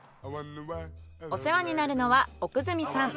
お世話になるのは奥住さん。